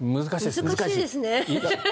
難しいですね。